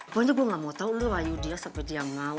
pokoknya gue gak mau tahu lu rayu dia sampai dia mau